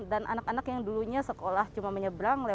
dan anak anak yang dulunya sekolah cuma menyeberang